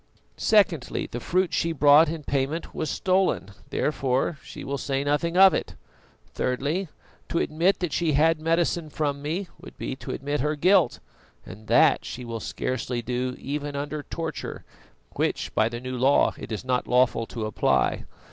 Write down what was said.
Secondly, the fruit she brought in payment was stolen, therefore she will say nothing of it. Thirdly, to admit that she had medicine from me would be to admit her guilt, and that she will scarcely do even under torture, which by the new law it is not lawful to apply.